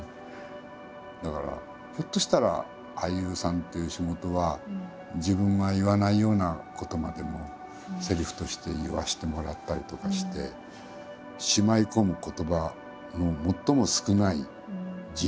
だからひょっとしたら俳優さんっていう仕事は自分が言わないようなことまでもセリフとして言わせてもらったりとかして。なんて思ったりもしますね。